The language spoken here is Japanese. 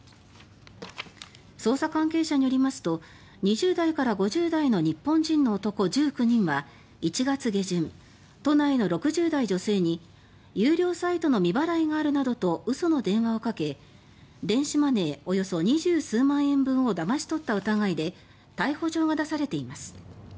捜査関係者によりますと２０代から５０代の日本人の男１９人は１月下旬、都内の６０代女性に有料サイトの未払いがあるなどと嘘の電話をかけ電子マネーおよそ２０数万円分をだまし取った疑いで逮捕状が出されています。